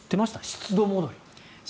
湿度戻り。